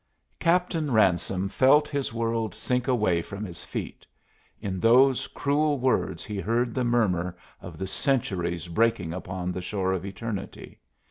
Captain Ransome felt his world sink away from his feet. In those cruel words he heard the murmur of the centuries breaking upon the shore of eternity.